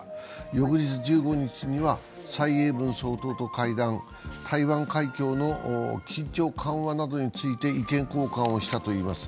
翌日１５日には蔡英文総統と会談台湾海峡の緊張緩和などについて意見交換したといいます。